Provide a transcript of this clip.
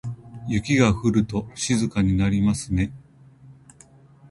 雪が降ると静かになりますね。